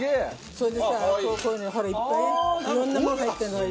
それでさこういうのほらいっぱいいろんなもの入ってるのよ。